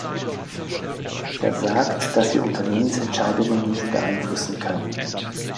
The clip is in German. Er sagt, dass wir Unternehmensentscheidungen nicht beeinflussen können.